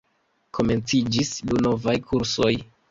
Komenciĝis du novaj kursoj.